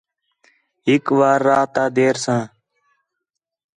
ہِک وار راتا دیر ساں